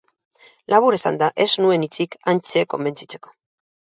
Labur esanda, ez nuen hitzik Antje konbentzitzeko.